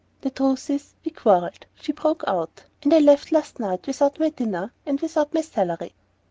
"The truth is, we quarrelled," she broke out, "and I left last night without my dinner and without my salary."